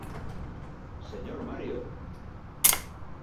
¡Señor Mario!